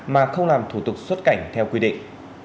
mà không làm thủ tục xuất cảnh theo quy định